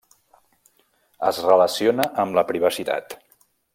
Es relaciona amb la privacitat.